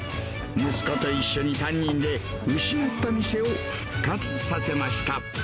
息子と一緒に３人、失った店を復活させました。